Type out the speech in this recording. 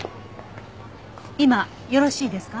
今よろしいですか？